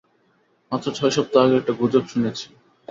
মাত্র ছয় সপ্তাহ আগে একটা গুজব শুনেছি।